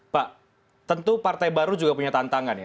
pak tentu partai baru juga punya tantangan ya